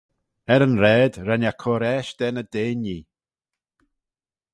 Er yn raad ren eh cur aash da ny deinee.